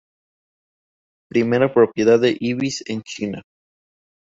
Primera propiedad de ibis en China.